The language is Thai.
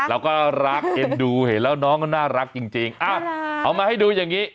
แล้วก็รักเอ็นดูเห็นแล้วน้องก็น่ารักจริงเอามาให้ดูอย่างนี้